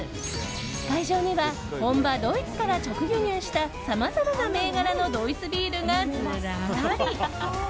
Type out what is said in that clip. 会場には、本場ドイツから直輸入したさまざまな銘柄のドイツビールがずらり。